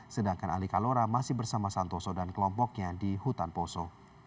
sedangkan ali kalora masih bersama santoso dan kelompoknya di hutan poso